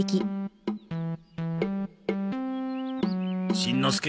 しんのすけ。